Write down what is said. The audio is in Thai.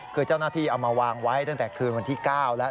คือเจ้าหน้าที่เอามาวางไว้ตั้งแต่คืนวันที่๙แล้ว